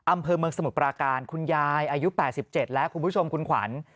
อำเภอเมืองสมุทรปราการคุณยายอายุ๘๗แล้วคุณผู้ชมคุณขวัญ